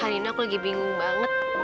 hari ini aku lagi bingung banget